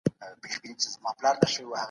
ملي عايد د لسو کلونو لپاره اندازه کيږي.